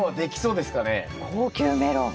高級メロン。